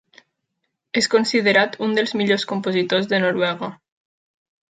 És considerat un dels millors compositors de Noruega.